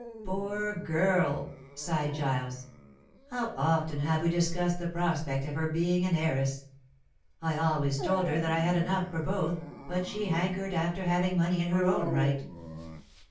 "Poor girl!" sighed Giles; "how often have we discussed the prospect of her being an heiress! I always told her that I had enough for both, but she hankered after having money in her own right."